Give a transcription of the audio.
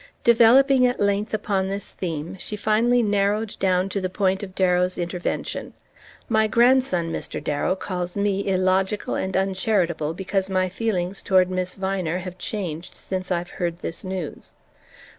Developing at length upon this theme, she finally narrowed down to the point of Darrow's intervention. "My grandson, Mr. Darrow, calls me illogical and uncharitable because my feelings toward Miss Viner have changed since I've heard this news.